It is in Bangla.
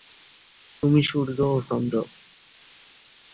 তুমি সূর্য ও চন্দ্র।